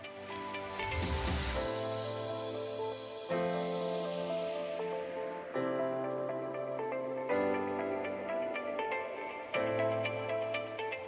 pembelajaran di jaman kejadian